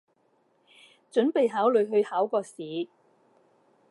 準備考慮去考個試